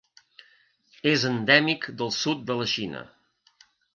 És endèmic del sud de la Xina.